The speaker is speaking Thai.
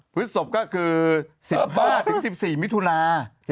พฤศพก็คือ๑๕๑๔มิถุนา